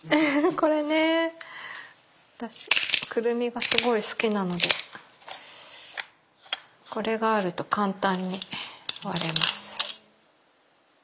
これね私くるみがすごい好きなのでこれがあると簡単に割れます。